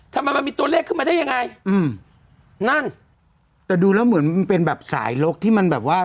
ทำไมมันมีตัวเลขขึ้นมาได้ยังไงอืมนั่นแต่ดูแล้วเหมือนมันเป็นแบบสายลกที่มันแบบว่า